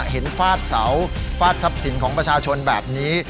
ฟาดเสาฟาดทรัพย์สินของประชาชนแบบนี้